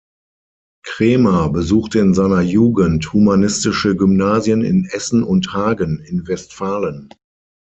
Cremer besuchte in seiner Jugend humanistische Gymnasien in Essen und Hagen in Westfalen.